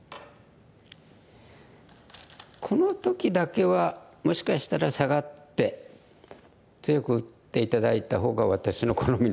この時だけはもしかしたらサガって強く打って頂いたほうが私の好みなんですけども。